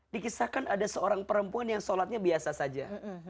dikisahkan ada seorang perempuan yang sholatnya biasa saja